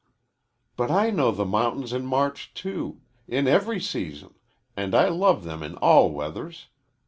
"But I know the mountains in March, too in every season, and I love them in all weathers.